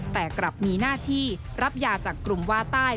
แต่กลับมีหน้าที่รับยาจากกลุ่มว่าใต้